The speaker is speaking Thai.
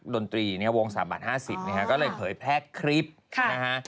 ตนตรีเนี่ยวงสามบาทห้าสิบเนี่ยค่ะก็เลยเผยแพร่คลิปค่ะนะฮะ